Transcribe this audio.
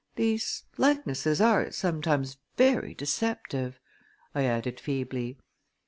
These likenesses are sometimes very deceptive," I added feebly.